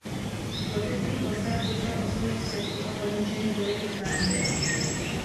Gotický kostel přišel o svojí střechu a poničeny byly i klenby.